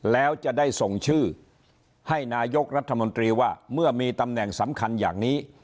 แล้วจะได้ส่งชื่อให้นายกรัฐมนตรีว่าเมื่อมีตำแหน่งสำคัญอย่างนี้